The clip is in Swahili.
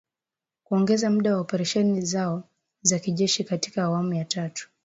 Kuongeza muda wa operesheni zao za kijeshi katika awamu ya tatu